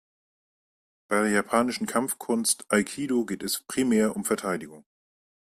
Bei der japanischen Kampfkunst Aikido geht es primär um Verteidigung.